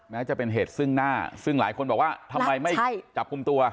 แม้จะเป็นเหตุซึ่งหน้าซึ่งหลายคนบอกว่าทำไมไม่จับกลุ่มตัว